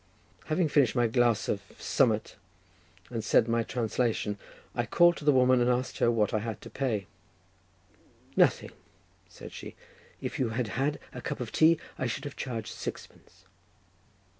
Having finished my glass of "summut" and my translation, I called to the woman and asked her what I had to pay. "Nothing," said she; "if you had had a cup of tea I should have charged sixpence."